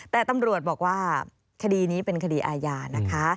แต่ตำรวจบอกว่าคดีนี้เป็นคดีอาญานะคะ